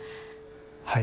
はい。